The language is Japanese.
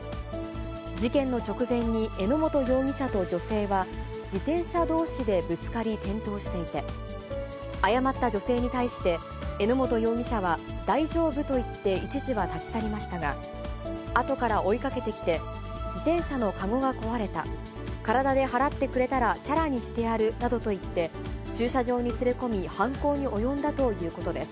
事件の直前に榎本容疑者と女性は、自転車どうしでぶつかり転倒していて、謝った女性に対して、榎本容疑者は大丈夫と言って、一時は立ち去りましたが、あとから追いかけてきて、自転車の籠が壊れた、体で払ってくれたら、チャラにしてやるなどと言って、駐車場に連れ込み、犯行に及んだということです。